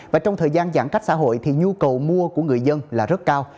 và trong thời gian giãn cách xã hội thì nhu cầu mua của người dân là rất cao